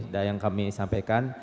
dan yang kami sampaikan